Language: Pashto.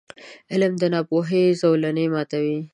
• علم، د ناپوهۍ زولنې ماتوي.